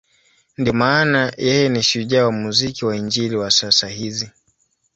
Ndiyo maana yeye ni shujaa wa muziki wa Injili wa sasa hizi.